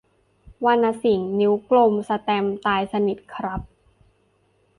วรรณสิงห์ นิ้วกลม สแตมป์ ตายสนิทครับ